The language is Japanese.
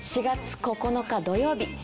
４月９日土曜日。